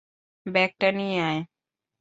ব্যাগটা নিয়ে আয়!